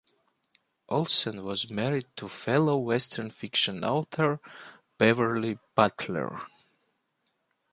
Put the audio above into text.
Olsen was married to fellow western fiction author Beverly Butler.